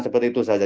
seperti itu saja